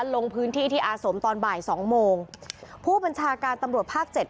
ลงพื้นที่ที่อาสมตอนบ่ายสองโมงผู้บัญชาการตำรวจภาคเจ็ด